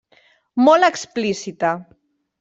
Molt explícita.